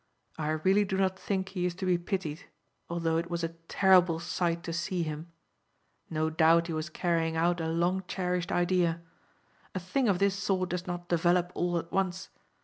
I really do not think he is to be pitied, although it was a terrible sight to see him. No doubt he was carrying out a long cherished idea. A thing of this sort does not develop all at once.